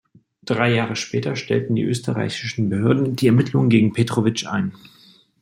Drei Jahre später stellten die österreichischen Behörden die Ermittlungen gegen Petrovic ein.